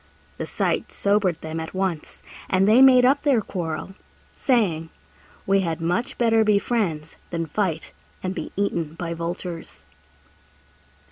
The sight sobered them at once, and they made up their quarrel, saying, "We had much better be friends than fight and be eaten by vultures."